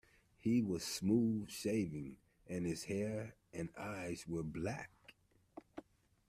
He was smooth-shaven, and his hair and eyes were black.